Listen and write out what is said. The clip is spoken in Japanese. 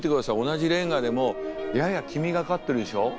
同じレンガでもやや黄みがかってるでしょ。